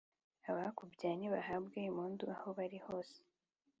abakubyaye n’ibahabwe impundu aho bali hose